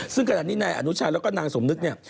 ซึ่งขณะนี้นายอนุชาแล้วก็นางสมนึกเนี่ย